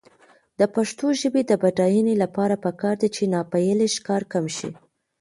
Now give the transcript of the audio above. د پښتو ژبې د بډاینې لپاره پکار ده چې ناپییلي ښکار کم شي.